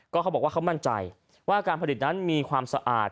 เขาบอกว่าเขามั่นใจว่าการผลิตนั้นมีความสะอาด